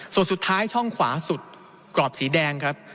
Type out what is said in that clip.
แล้วท้ายช่องขวาสุดกรอบสีแดงครับ